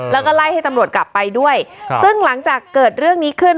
แล้วก็ไล่ให้ตำรวจกลับไปด้วยซึ่งหลังจากเกิดเรื่องนี้ขึ้น